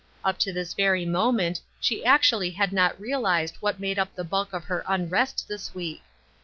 Up to this very moment she actually had not realized what made up the bulk of her unrest this week.